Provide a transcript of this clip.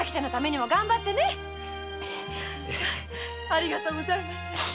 ありがとうございます。